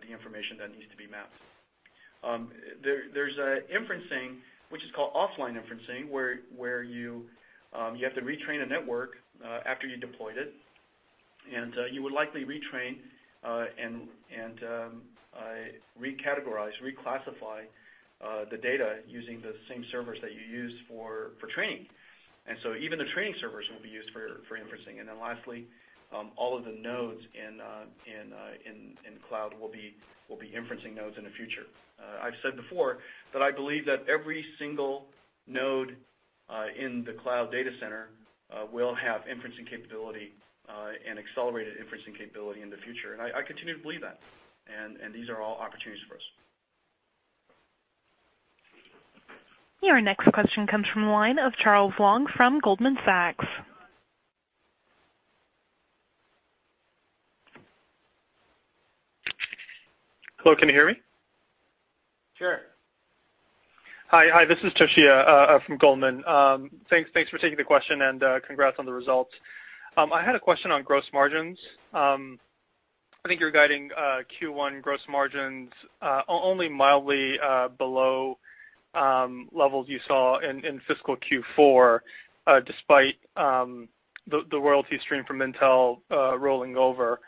Speaker 5: the information that needs to be mapped. There's inferencing, which is called offline inferencing, where you have to retrain a network after you deployed it, and you would likely retrain and recategorize, reclassify the data using the same servers that you used for training. So even the training servers will be used for inferencing. Then lastly, all of the nodes in cloud will be inferencing nodes in the future. I've said before that I believe that every single node in the cloud data center will have inferencing capability and accelerated inferencing capability in the future. I continue to believe that, and these are all opportunities for us.
Speaker 1: Your next question comes from the line of Toshiya Hari from Goldman Sachs.
Speaker 13: Hello, can you hear me?
Speaker 5: Sure.
Speaker 13: Hi, this is Toshiya from Goldman. Thanks for taking the question and congrats on the results. I had a question on gross margins. I think you're guiding Q1 gross margins only mildly below levels you saw in fiscal Q4, despite the royalty stream from Intel rolling over.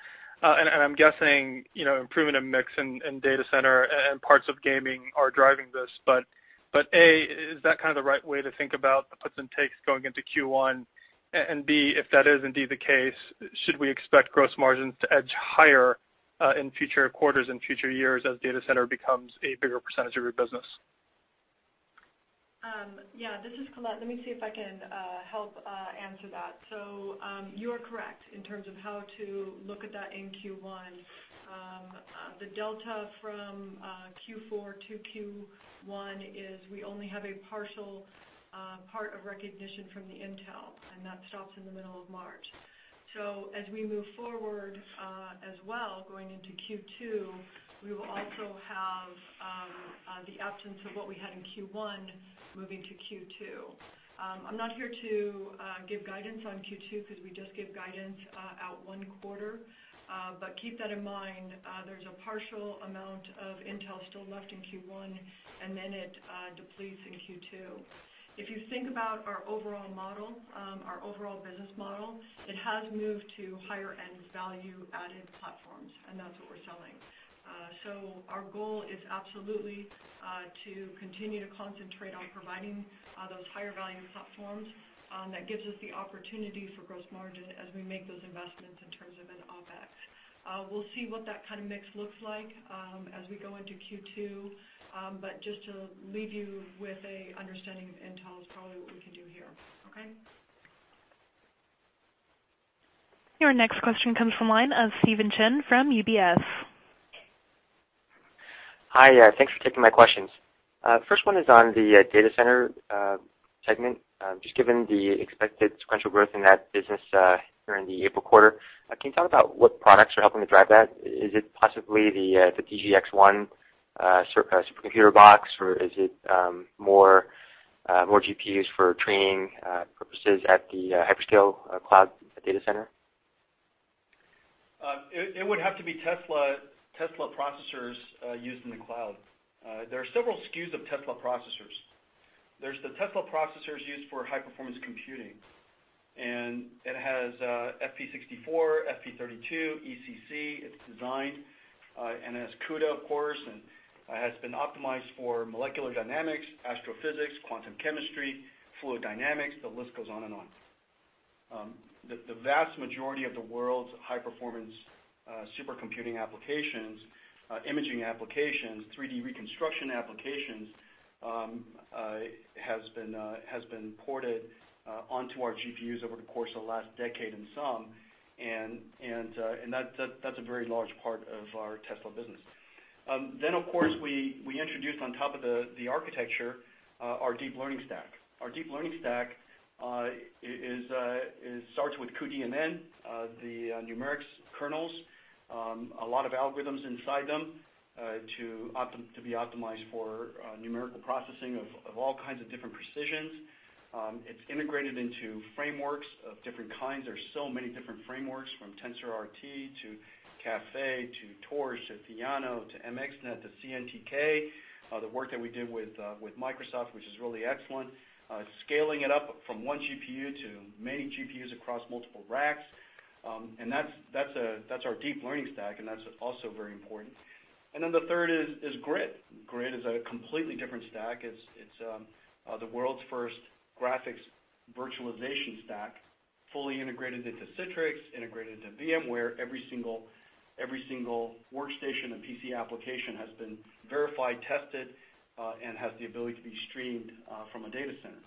Speaker 13: I'm guessing improvement in mix in data center and parts of gaming are driving this. A, is that kind of the right way to think about the puts and takes going into Q1? B, if that is indeed the case, should we expect gross margins to edge higher in future quarters and future years as data center becomes a bigger percentage of your business?
Speaker 3: Yeah, this is Colette. Let me see if I can help answer that. You are correct in terms of how to look at that in Q1. The delta from Q4 to Q1 is we only have a partial part of recognition from the Intel, and that stops in the middle of March. As we move forward as well, going into Q2, we will also have the absence of what we had in Q1 moving to Q2. I'm not here to give guidance on Q2 because we just give guidance out one quarter. Keep that in mind, there's a partial amount of Intel still left in Q1, and then it depletes in Q2. If you think about our overall business model, it has moved to higher-end value-added platforms, and that's what we're selling. Our goal is absolutely to continue to concentrate on providing those higher-value platforms that gives us the opportunity for gross margin as we make those investments in terms of an OpEx. We'll see what that kind of mix looks like as we go into Q2. Just to leave you with an understanding of Intel is probably what we can do here. Okay?
Speaker 1: Your next question comes from the line of Stephen Chin from UBS.
Speaker 14: Hi, thanks for taking my questions. First one is on the data center segment. Just given the expected sequential growth in that business during the April quarter, can you talk about what products are helping to drive that? Is it possibly the DGX-1 supercomputer box, or is it more GPUs for training purposes at the hyperscale cloud data center?
Speaker 5: It would have to be Tesla processors used in the cloud. There are several SKUs of Tesla processors. There's the Tesla processors used for high-performance computing, and it has FP64, FP32, ECC. It's designed and has CUDA, of course, and has been optimized for molecular dynamics, astrophysics, quantum chemistry, fluid dynamics. The list goes on and on. The vast majority of the world's high-performance super computing applications, imaging applications, 3D reconstruction applications, has been ported onto our GPUs over the course of the last decade and some. That's a very large part of our Tesla business. Of course, we introduced on top of the architecture, our deep learning stack. Our deep learning stack, it starts with cuDNN, the numerics kernels, a lot of algorithms inside them to be optimized for numerical processing of all kinds of different precisions. It's integrated into frameworks of different kinds. There's so many different frameworks from TensorRT to Caffe to Torch to Theano to MXNet to CNTK. The work that we did with Microsoft, which is really excellent. Scaling it up from one GPU to many GPUs across multiple racks. That's our deep learning stack, and that's also very important. The third is GRID. GRID is a completely different stack. It's the world's first graphics virtualization stack, fully integrated into Citrix, integrated into VMware. Every single workstation and PC application has been verified, tested, and has the ability to be streamed from a data center.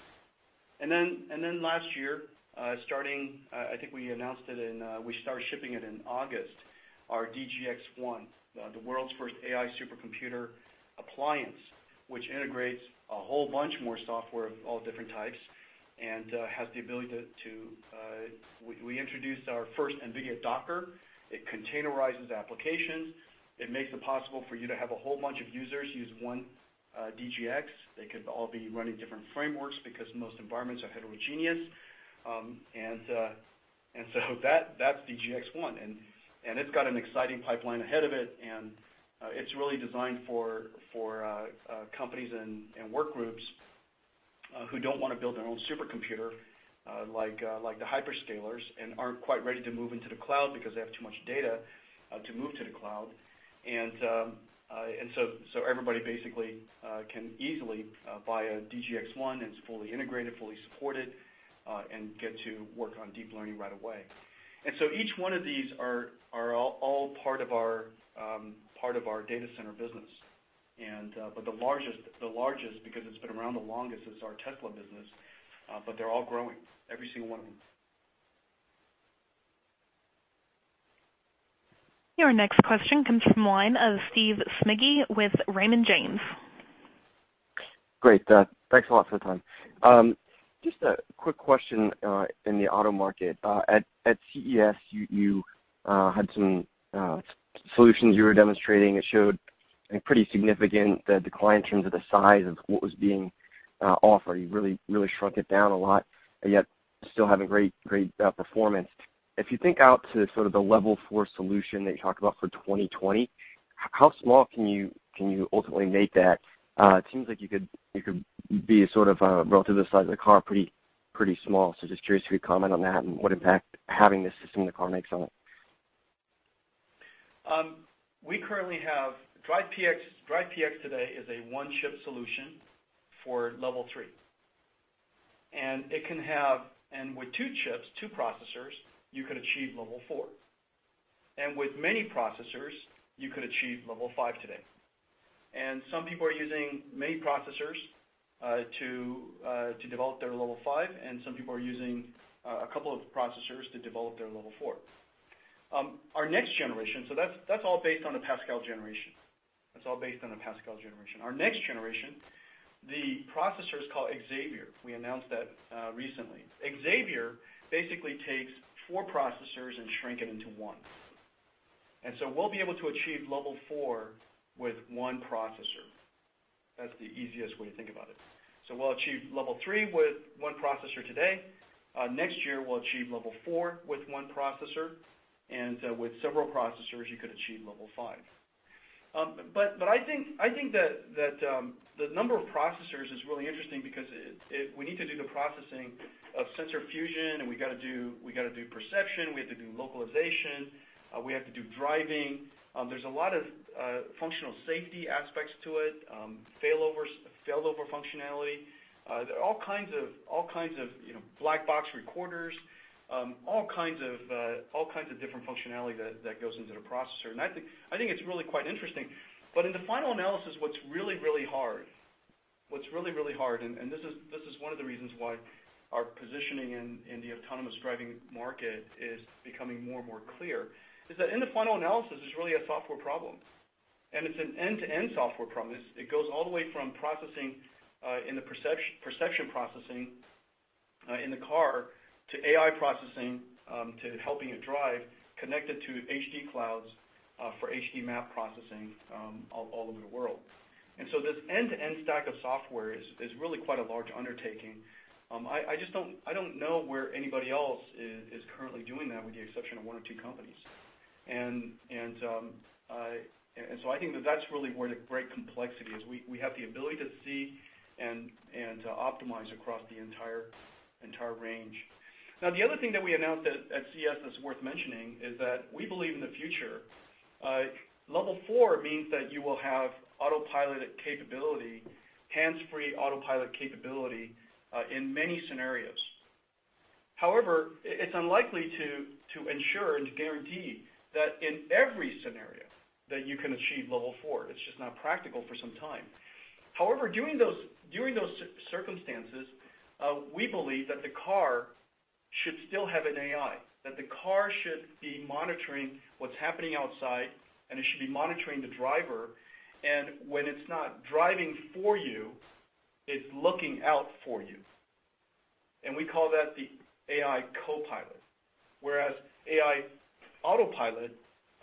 Speaker 5: Last year, I think we started shipping it in August, our DGX-1, the world's first AI supercomputer appliance, which integrates a whole bunch more software of all different types. We introduced our first NVIDIA Docker. It containerizes applications. It makes it possible for you to have a whole bunch of users use one DGX. They could all be running different frameworks because most environments are heterogeneous. That's DGX-1, and it's got an exciting pipeline ahead of it. It's really designed for companies and work groups who don't want to build their own supercomputer, like the hyperscalers, and aren't quite ready to move into the cloud because they have too much data to move to the cloud. Everybody basically can easily buy a DGX-1 that's fully integrated, fully supported, and get to work on deep learning right away. Each one of these are all part of our data center business. The largest, because it's been around the longest, is our Tesla business. They're all growing, every single one of them.
Speaker 1: Your next question comes from the line of Steve Smigie with Raymond James.
Speaker 15: Great. Thanks a lot for the time. Just a quick question in the auto market. At CES, you had some solutions you were demonstrating that showed a pretty significant decline in terms of the size of what was being offered. You really shrunk it down a lot, and yet still having great performance. If you think out to sort of the level 4 solution that you talked about for 2020, how small can you ultimately make that? It seems like you could be sort of relative to the size of the car, pretty small. Just curious if you could comment on that and what impact having this system in the car makes on it.
Speaker 5: We currently have DRIVE PX. DRIVE PX today is a one-chip solution for level 3. With two chips, two processors, you could achieve level 4. With many processors, you could achieve level 5 today. Some people are using many processors to develop their level 5, and some people are using a couple of processors to develop their level 4. That's all based on the Pascal generation. Our next generation, the processor's called Xavier. We announced that recently. Xavier basically takes four processors and shrink it into one. We'll be able to achieve level 4 with one processor. That's the easiest way to think about it. We'll achieve level 3 with one processor today. Next year, we'll achieve level 4 with one processor. With several processors, you could achieve level 5. I think that the number of processors is really interesting because we need to do the processing of sensor fusion, we got to do perception, we have to do localization, we have to do driving. There's a lot of functional safety aspects to it, failover functionality, all kinds of black box recorders, all kinds of different functionality that goes into the processor. I think it's really quite interesting. In the final analysis, what's really, really hard, and this is one of the reasons why our positioning in the autonomous driving market is becoming more and more clear, is that in the final analysis, it's really a software problem. It's an end-to-end software problem. It goes all the way from processing in the perception processing in the car to AI processing, to helping it drive connected to HD clouds for HD map processing all over the world. This end-to-end stack of software is really quite a large undertaking. I don't know where anybody else is currently doing that, with the exception of one or two companies. I think that that's really where the great complexity is. We have the ability to see and to optimize across the entire range. The other thing that we announced at CES that's worth mentioning is that we believe in the future, level 4 means that you will have hands-free Autopilot capability in many scenarios. However, it's unlikely to ensure and guarantee that in every scenario that you can achieve level 4. It's just not practical for some time. However, during those circumstances, we believe that the car should still have an AI, that the car should be monitoring what's happening outside, and it should be monitoring the driver, and when it's not driving for you, it's looking out for you. We call that the AI Co-Pilot, whereas AI Autopilot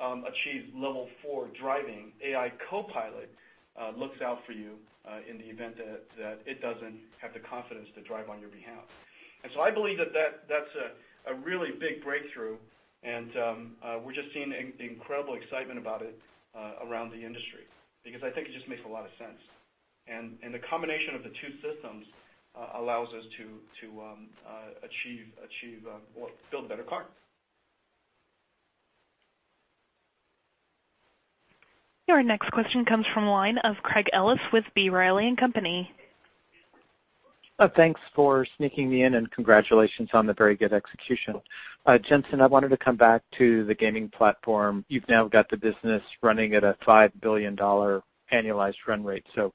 Speaker 5: achieves level 4 driving, AI Co-Pilot looks out for you in the event that it doesn't have the confidence to drive on your behalf. I believe that's a really big breakthrough, and we're just seeing the incredible excitement about it around the industry because I think it just makes a lot of sense. The combination of the two systems allows us to achieve or build better cars.
Speaker 1: Your next question comes from the line of Craig Ellis with B. Riley & Co.
Speaker 16: Thanks for sneaking me in, and congratulations on the very good execution. Jensen, I wanted to come back to the gaming platform. You've now got the business running at a $5 billion annualized run rate, so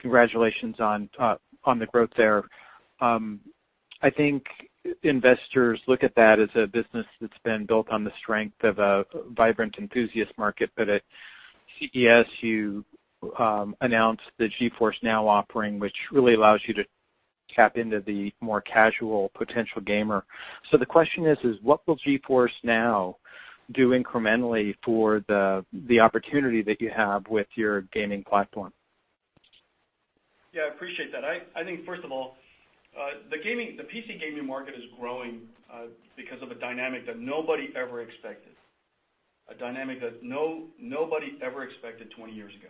Speaker 16: congratulations on the growth there. I think investors look at that as a business that's been built on the strength of a vibrant enthusiast market. At CES, you announced the GeForce NOW offering, which really allows you to tap into the more casual potential gamer. The question is, what will GeForce NOW do incrementally for the opportunity that you have with your gaming platform?
Speaker 5: Yeah, I appreciate that. I think, first of all, the PC gaming market is growing because of a dynamic that nobody ever expected, a dynamic that nobody ever expected 20 years ago.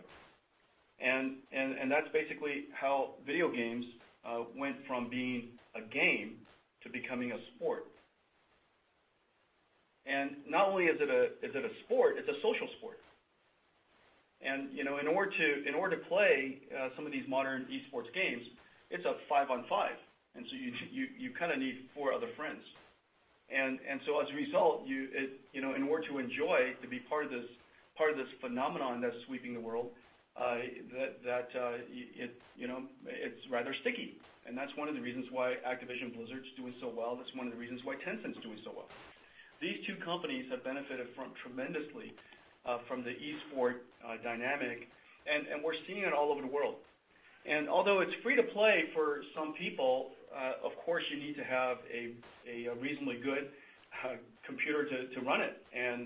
Speaker 5: That's basically how video games went from being a game to becoming a sport. Not only is it a sport, it's a social sport. In order to play some of these modern esports games, it's a five-on-five. You kind of need four other friends. As a result, in order to enjoy to be part of this phenomenon that's sweeping the world, that it's rather sticky. That's one of the reasons why Activision Blizzard's doing so well. That's one of the reasons why Tencent's doing so well. These two companies have benefited tremendously from the esports dynamic, and we're seeing it all over the world. Although it's free to play for some people, of course, you need to have a reasonably good computer to run it.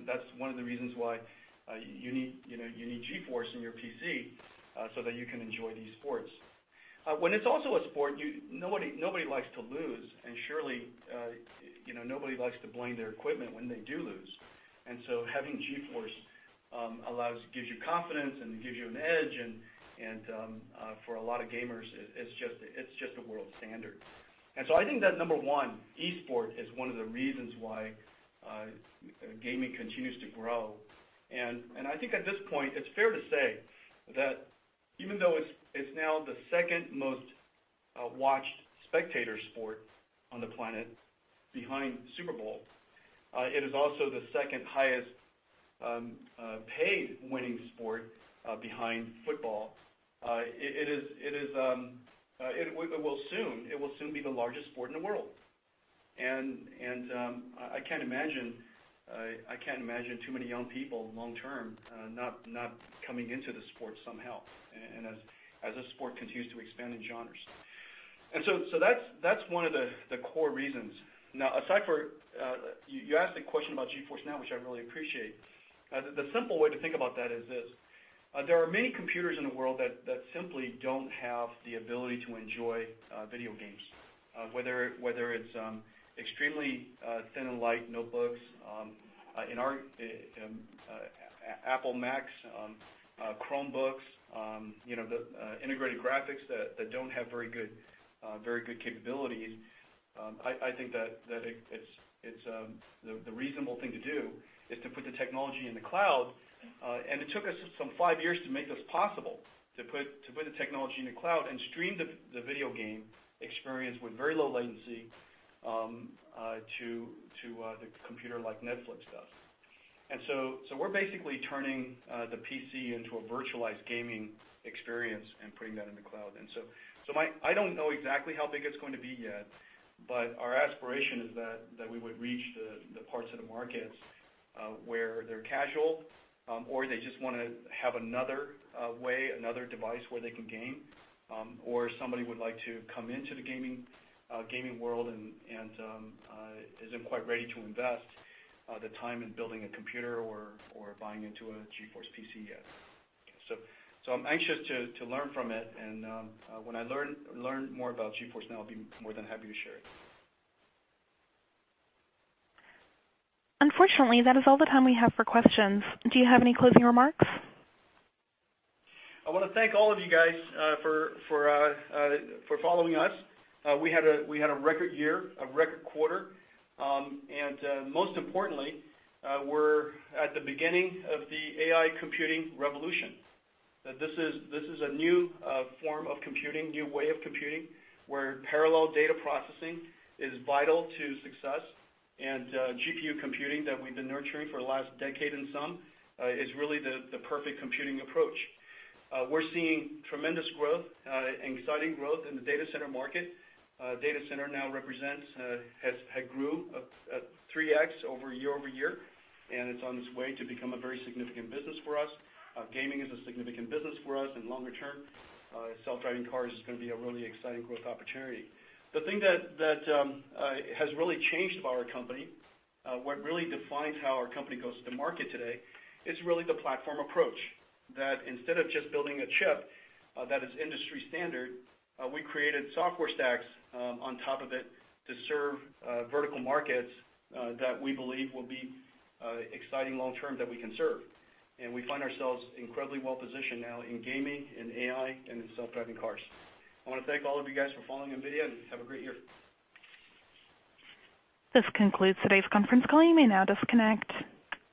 Speaker 5: That's one of the reasons why you need GeForce in your PC so that you can enjoy these sports. When it's also a sport, nobody likes to lose, and surely nobody likes to blame their equipment when they do lose. Having GeForce gives you confidence and gives you an edge, and for a lot of gamers, it's just the world standard. I think that number one, esports is one of the reasons why gaming continues to grow. I think at this point, it's fair to say that even though it's now the second most-watched spectator sport on the planet behind the Super Bowl, it is also the second highest paid winning sport behind football. It will soon be the largest sport in the world. I can't imagine too many young people long-term not coming into the sport somehow, and as this sport continues to expand in genres. That's one of the core reasons. Now, aside for you asked a question about GeForce NOW, which I really appreciate. The simple way to think about that is this. There are many computers in the world that simply don't have the ability to enjoy video games, whether it's extremely thin and light notebooks, Apple Macs, Chromebooks, the integrated graphics that don't have very good capabilities. I think that the reasonable thing to do is to put the technology in the cloud. It took us some five years to make this possible, to put the technology in the cloud and stream the video game experience with very low latency to the computer like Netflix does. We're basically turning the PC into a virtualized gaming experience and putting that in the cloud. I don't know exactly how big it's going to be yet, but our aspiration is that we would reach the parts of the markets where they're casual or they just want to have another way, another device where they can game or somebody would like to come into the gaming world and isn't quite ready to invest the time in building a computer or buying into a GeForce PC yet. I'm anxious to learn from it, and when I learn more about GeForce NOW, I'll be more than happy to share it.
Speaker 1: Unfortunately, that is all the time we have for questions. Do you have any closing remarks?
Speaker 5: I want to thank all of you guys for following us. We had a record year, a record quarter, and most importantly, we're at the beginning of the AI computing revolution. This is a new form of computing, new way of computing, where parallel data processing is vital to success, and GPU computing that we've been nurturing for the last decade and some is really the perfect computing approach. We're seeing tremendous growth and exciting growth in the data center market. Data center now represents, had grew 3x year-over-year, and it's on its way to become a very significant business for us. Gaming is a significant business for us in longer term. Self-driving cars is going to be a really exciting growth opportunity. The thing that has really changed about our company, what really defines how our company goes to the market today, is really the platform approach. Instead of just building a chip that is industry standard, we created software stacks on top of it to serve vertical markets that we believe will be exciting long-term that we can serve. We find ourselves incredibly well-positioned now in gaming, in AI, and in self-driving cars. I want to thank all of you guys for following NVIDIA, and have a great year.
Speaker 1: This concludes today's conference call. You may now disconnect.